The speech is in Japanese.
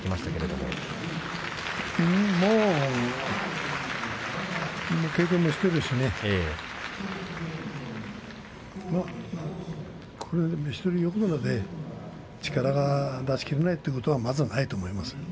もう経験もしているし一人横綱で力を出し切れないということはまずないと思います。